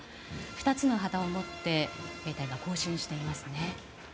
２つの旗を持って兵隊が行進していますね。